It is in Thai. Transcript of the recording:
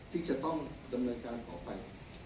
ที่จะต้องดำเนินการต่อไป